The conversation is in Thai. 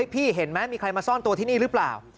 พี่เห็นไหมมีใครมาซ่อนตัวที่นี่หรือเปล่า